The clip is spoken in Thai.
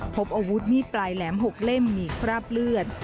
พบอาวุธมีดปลายแหลม๖เล่มมีคราบเลือด